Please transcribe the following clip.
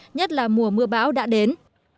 nhất là mùa mưa bão đã đến